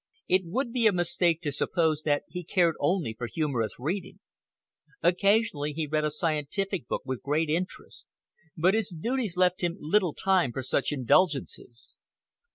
It would be a mistake to suppose that he cared only for humorous reading. Occasionally he read a scientific book with great interest, but his duties left him little time for such indulgences.